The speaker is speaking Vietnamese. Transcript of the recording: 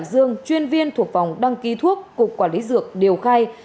theo luật sư phúc chuyên viên thuộc phòng đăng ký thuốc của quản lý dược điều khai